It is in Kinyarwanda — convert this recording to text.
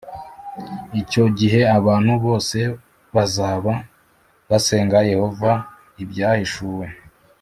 Icyo gihe abantu bose bazaba basenga Yehova Ibyahishuwe